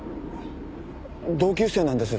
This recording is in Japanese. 同級生なんです